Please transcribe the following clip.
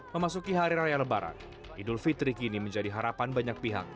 memasuki hari raya lebaran idul fitri kini menjadi harapan banyak pihak